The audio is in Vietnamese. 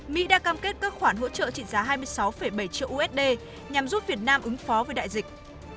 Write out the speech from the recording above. mỹ đã cam kết các khoản hỗ trợ trị giá hai mươi sáu bảy triệu usd nhằm giúp việt nam ứng phó với đại dịch